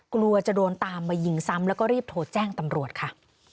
กลัวจะโดนตามมายิงซ้ำแล้วก็รีบโทรแจ้งตำรวจค่ะ